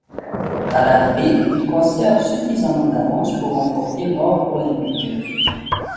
À l'arrivée, il conserve suffisamment d'avance pour remporter l'or olympique.